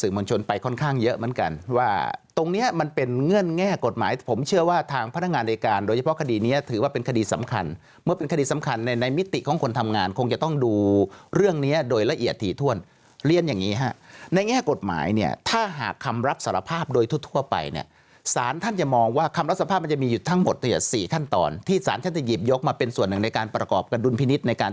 สำคัญเมื่อเป็นคดีสำคัญในในมิติของคนทำงานคงจะต้องดูเรื่องเนี้ยโดยละเอียดถี่ถ้วนเรียนอย่างงี้ฮะในแง่กฎหมายเนี้ยถ้าหากคำรับสารภาพโดยทุกทั่วไปเนี้ยสารท่านจะมองว่าคำรับสารภาพมันจะมีอยู่ทั้งหมดเนี้ยสี่ขั้นตอนที่สารท่านจะหยิบยกมาเป็นส่วนหนึ่งในการประกอบกันดุลพินิศในการ